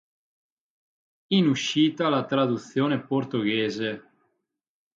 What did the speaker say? In uscita la traduzione portoghese.